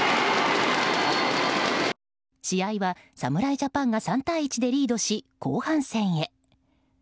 試合は侍ジャパンが３対１でリードし後半戦へ。